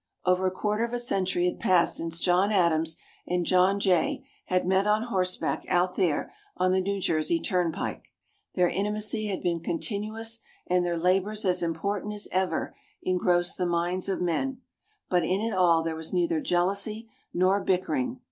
Over a quarter of a century had passed since John Adams and John Jay had met on horseback out there on the New Jersey turnpike. Their intimacy had been continuous and their labors as important as ever engrossed the minds of men, but in it all there was neither jealousy nor bickering.